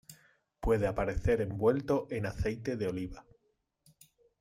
Puede aparecer envuelto en aceite de oliva.